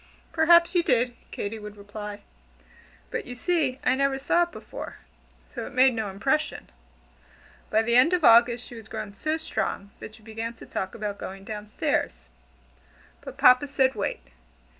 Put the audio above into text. "Perhaps you did," Katy would reply, "but you see I never saw it before, so it made no impression." By the end of August she was grown so strong, that she began to talk about going down stairs. But Papa said, "Wait."